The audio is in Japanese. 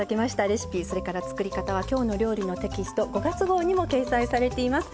レシピそれから作り方は「きょうの料理」のテキスト５月号にも掲載されています。